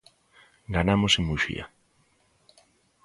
Ganamos en Muxía!